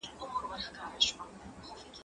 زه لوښي وچولي دي؟